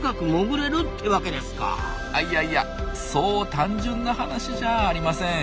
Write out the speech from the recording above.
いやいやそう単純な話じゃあありません。